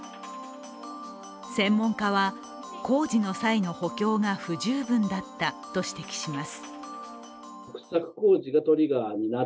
専門家は、工事の際の補強が不十分だったと指摘します。